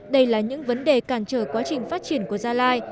đây là những vấn đề cản trở quá trình phát triển của gia lai